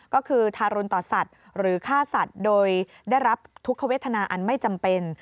ก็คือทารุณต่อสัตว์หรือฆ่าสัตว์โดยได้รับทุกขเวทนาอันไม่จำเป็น